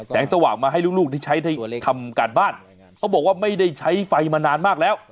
สว่างมาให้ลูกที่ใช้ได้ทำการบ้านเขาบอกว่าไม่ได้ใช้ไฟมานานมากแล้ว